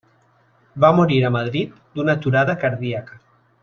Va morir a Madrid d'una aturada cardíaca.